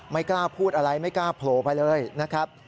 ไม่กล้าพูดอะไรไม่กล้าโผล่ไปเลยนะครับ